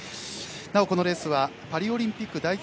なお、このレースはパリオリンピック代表